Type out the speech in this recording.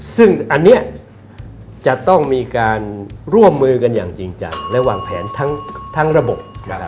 ซึ่งอันนี้จะต้องมีการร่วมมือกันอย่างจริงจังและวางแผนทั้งระบบ